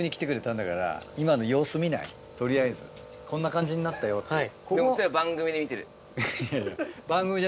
取りあえずこんな感じになったよっていう。